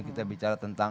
kita bicara tentang